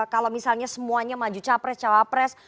kalau misalnya semuanya maju capres cawapres